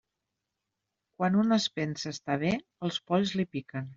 Quan un es pensa estar bé, els polls li piquen.